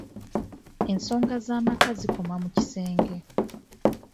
Ensonga z’amaka zikoma mu kisenge.